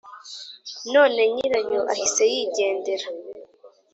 none nyirayo ahise yigendera